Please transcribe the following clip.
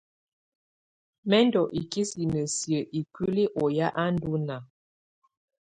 Mɛ̀ ndù ikisinǝ siǝ́ ikuili ɔ ya á ndù naa.